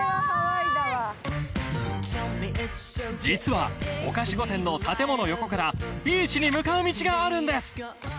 実は御菓子御殿の建物の横からビーチに向かう道があるんです